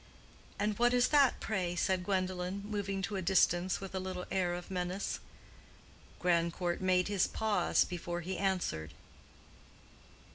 "And what is that, pray?" said Gwendolen, moving to a distance with a little air of menace. Grandcourt made his pause before he answered.